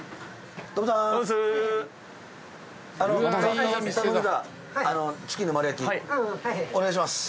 お願いします。